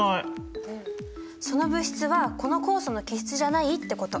その物質はこの酵素の基質じゃないってこと。